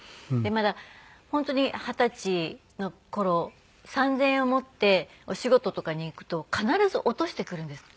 まだ本当に二十歳の頃３０００円を持ってお仕事とかに行くと必ず落としてくるんです。